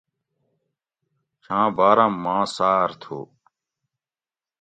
چھاں باۤرم ماں سار تھو